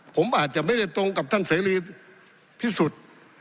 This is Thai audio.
ผมอาจจะไม่ได้ตรงกับท่านเสรีพิสุทธิ์